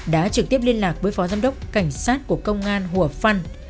đã trực tiếp liên lạc với phó giám đốc cảnh sát của công an hùa phân